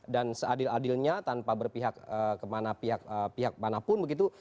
dan seadil adilnya tanpa berpihak ke mana pihak manapun begitu